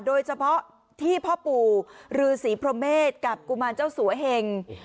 โดยเฉพาะที่พ่อปู่ฤษีพรหมเมษกับกุมารเจ้าสัวเหง